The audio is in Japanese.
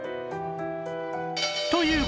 という